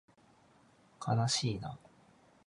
かなしいな